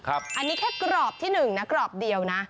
อันนี้แค่กรอบที่๑นะกรอบเดียวนะ